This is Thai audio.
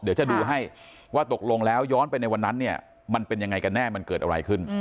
เดี๋ยวจะดูให้ว่าตกลงแล้วย้อนไปในวันนั้นเนี่ยมันเป็นยังไงกันแน่มันเกิดอะไรขึ้น